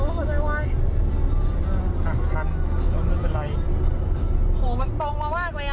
โอ้ขอใจไว้อ่าทันทันแล้วมันเป็นไรโหมันตรงมามากเลยอ่ะ